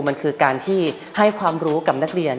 มันคือการที่ให้ความรู้กับนักเรียน